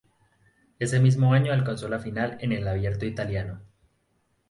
Ese mismo año alcanzó la final en el Abierto Italiano.